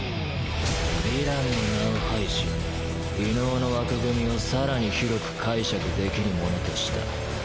ヴィランの名を排し異能の枠組みを更に広く解釈できるものとした。